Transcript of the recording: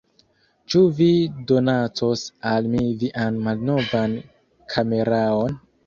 Ĉu vi donacos al mi vian malnovan kameraon?